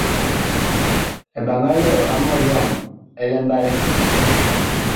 Eɓaŋga yɔɔ a mɔlyaŋ ɛ mbalɛ.